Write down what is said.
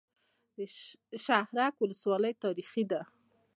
شهرک ولسوالۍ تاریخي ده؟